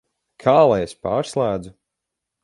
Kā lai es pārslēdzu?